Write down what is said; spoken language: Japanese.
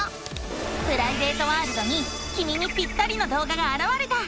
プライベートワールドにきみにぴったりの動画があらわれた！